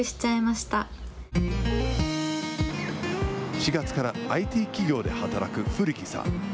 ４月からＩＴ企業で働く古木さん。